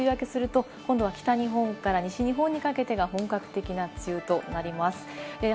はい、沖縄・奄美が梅雨明けすると、今度は北日本から西日本にかけてが本格的な梅雨となります。